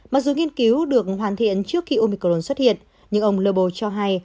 mặc dù nghiên cứu được hoàn thiện trước khi omicron xuất hiện nhưng ông lobo cho hay